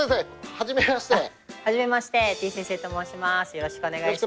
初めましててぃ先生と申します。